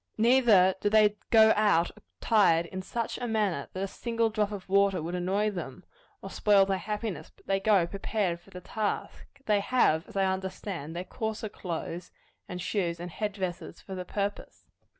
Neither do they go out attired in such a manner that a single drop of water would annoy them, or spoil their happiness; but they go prepared for the task. They have, as I understand, their coarser clothes, and shoes, and head dresses, for the purpose.